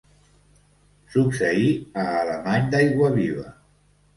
Succeí a Alemany d'Aiguaviva.